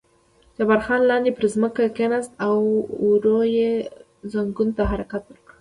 جبار خان لاندې پر ځمکه کېناست او ورو یې زنګون ته حرکات ورکړل.